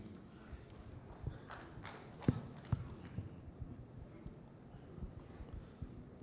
tenaga kerja asing di indonesia terkendali dengan aturan yang ada jumlahnya tenaga kerja asing di indonesia terkendali dengan aturan yang ada jumlahnya